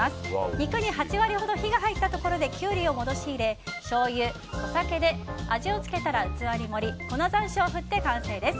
肉に８割ほど火が入ったところでキュウリを戻し入れしょうゆ、お酒で味をつけたら器に盛り粉山椒を振って完成です。